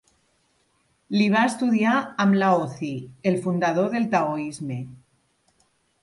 Li va estudiar amb Laozi, el fundador del taoisme.